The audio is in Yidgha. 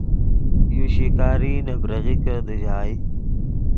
یو شکاری نے بریغیکے دیژائے